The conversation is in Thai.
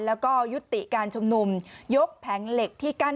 แล้วก็ยุติการชุมนุมยกแผงเหล็กที่กั้น